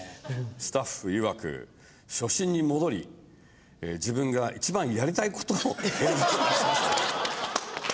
スタッフいわく「初心に戻り自分が一番やりたい事を映像化しました」。